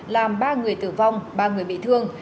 làm ba người tử vong ba người bị thương